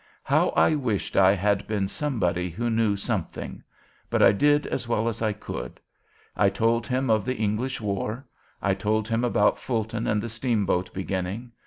"How I wished it had been somebody who knew something! But I did as well as I could. I told him of the English war. I told him about Fulton and the steamboat beginning.